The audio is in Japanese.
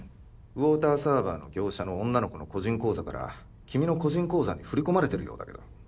ウォーターサーバーの業者の女の子の個人口座から君の個人口座に振り込まれてるようだけど。